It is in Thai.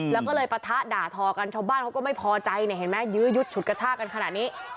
แล้วก็เลยปะทะด่าทอกันชาวบ้านเขาก็ไม่พอใจเนี่ยเห็นไหมยื้อยุดฉุดกระชากันขนาดนี้